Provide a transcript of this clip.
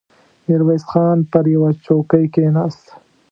ميرويس خان پر يوه څوکۍ کېناست.